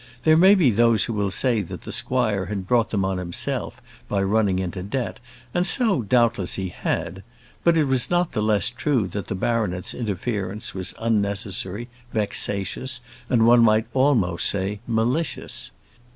There may be those who will say that the squire had brought them on himself, by running into debt; and so, doubtless, he had; but it was not the less true that the baronet's interference was unnecessary, vexatious, and one might almost say, malicious.